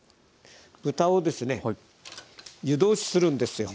豚をですね湯通しするんですよ。